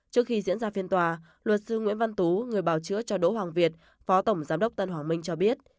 trước khi diễn ra phiên tòa luật sư nguyễn văn tú người bào chứa cho đỗ hoàng việt phó tổng giám đốc tân hỏa minh cho biết